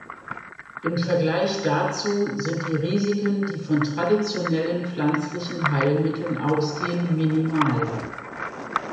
Im Vergleich dazu sind die Risiken, die von traditionellen pflanzlichen Heilmitteln ausgehen, minimal.